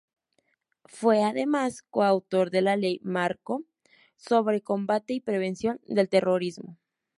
Fue, además, coautor de la Ley Marco sobre Combate y Prevención del Terrorismo.